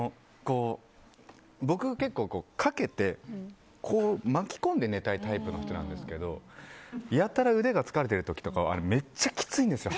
僕、結構かけて巻き込んで寝たいタイプなんですけどやたら腕が疲れてる時とかはめっちゃきついんですよ